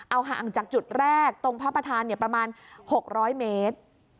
เอาห่างจากจุดแรกตรงพระประธานประมาณ๖๐๐เมตร